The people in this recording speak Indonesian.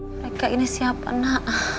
kenyekin ke rumahnya